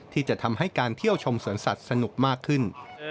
ที่จะทำให้การเที่ยวชมสวนสัตว์สนุกมากขึ้น